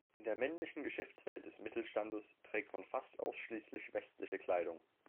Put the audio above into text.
In der männlichen Geschäftswelt des Mittelstandes trägt man fast ausschließlich westliche Kleidung.